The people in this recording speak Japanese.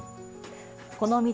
この道